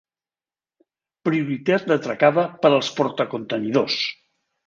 Prioritat d'atracada per als portacontenidors.